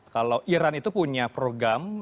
kalau iran itu punya program